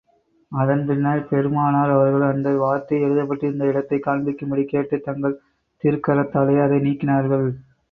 அதன் பின்னர், பெருமானார் அவர்கள், அந்த வார்த்தை எழுதப்பட்டிருந்த இடத்தைக் காண்பிக்கும்படி கேட்டு, தங்கள் திருக்கரத்தாலேயே அதை நீக்கினார்கள்.